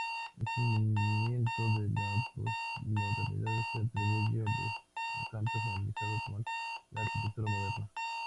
El surgimiento de la postmodernidad se atribuye al desencanto generalizado con la Arquitectura Moderna.